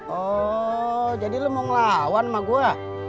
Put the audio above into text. oh jadi lo mau ngelawan sama gue